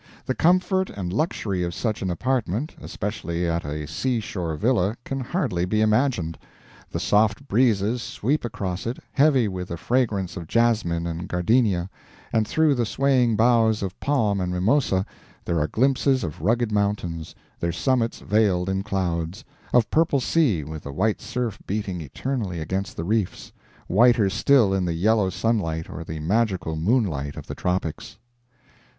"The comfort and luxury of such an apartment, especially at a seashore villa, can hardly be imagined. The soft breezes sweep across it, heavy with the fragrance of jasmine and gardenia, and through the swaying boughs of palm and mimosa there are glimpses of rugged mountains, their summits veiled in clouds, of purple sea with the white surf beating eternally against the reefs, whiter still in the yellow sunlight or the magical moonlight of the tropics."